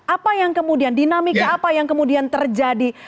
apa yang kemudian dinamika apa yang kemudian terjadi